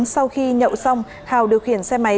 sau khi nhậu xong hảo điều khiển xe máy